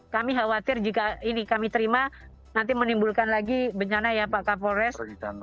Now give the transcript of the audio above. kami khawatir jika ini kami terima nanti menimbulkan lagi bencana ya pak kapolres